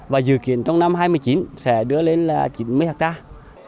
và dự kiến trong năm hai nghìn một mươi chín sẽ đưa lên là chín mươi hectare